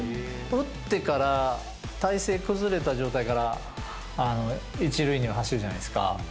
打ってから体勢崩れた状態から、１塁に走るじゃないですか。